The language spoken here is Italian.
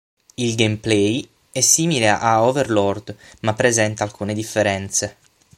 Il gameplay è simile a "Overlord", ma presenta alcune differenze.